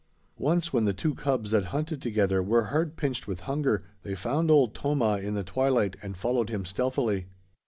Once, when the two cubs that hunted together were hard pinched with hunger, they found Old Tomah in the twilight and followed him stealthily.